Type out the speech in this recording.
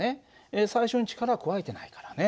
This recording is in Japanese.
最初に力は加えてないからね。